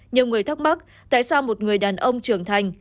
nhiều người thắc mắc tại sao một người đàn ông trưởng thành